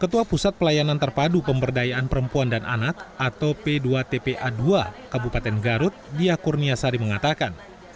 ketua pusat pelayanan terpadu pemberdayaan perempuan dan anak atau p dua tpa dua kabupaten garut dia kurnia sari mengatakan